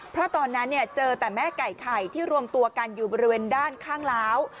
เพราะตอนนั้นเจอแต่แม่ไก่ไข่ที่รวมตัวกันอยู่บริเวณด้านข้างล้าว